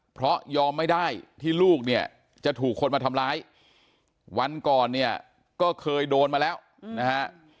เพราะยอมไม่ได้ที่ลูกเนี่ยจะถูกคนมาทำร้ายวันก่อนเนี่ยก็เคยโดนมาแล้วนะฮะ